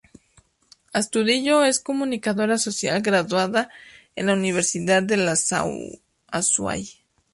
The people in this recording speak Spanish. Astudillo es comunicadora social graduada en la Universidad del Azuay.